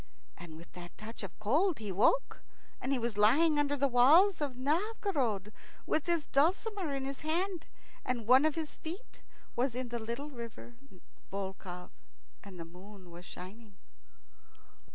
And with that touch of cold he woke, and he was lying under the walls of Novgorod, with his dulcimer in his hand, and one of his feet was in the little river Volkhov, and the moon was shining.